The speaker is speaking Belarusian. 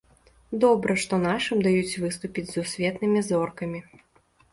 Добра, што нашым даюць выступіць з сусветнымі зоркамі.